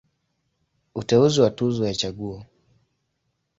Uteuzi wa Tuzo ya Chaguo.